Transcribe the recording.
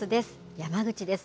山口です。